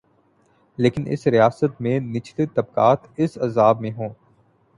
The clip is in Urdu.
لیکن اس ریاست میں نچلے طبقات اس عذاب میں ہوں۔